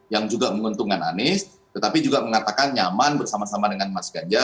yang juga menguntungkan anies tetapi juga mengatakan nyaman bersama sama dengan mas ganjar